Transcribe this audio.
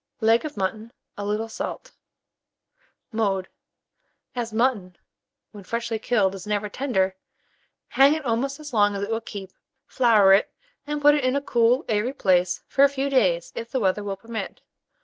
Leg of mutton, a little salt. Mode. As mutton, when freshly killed, is never tender, hang it almost as long as it will keep; flour it, and put it in a cool airy place for a few days, if the weather will permit.